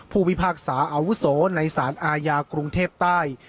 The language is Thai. พิพากษาอาวุโสในสารอาญากรุงเทพใต้